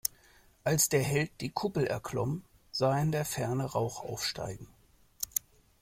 Als der Held die Kuppel erklomm, sah er in der Ferne Rauch aufsteigen.